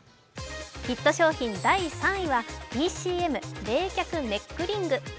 ヒット商品第３位は、ＰＣＭネックリング。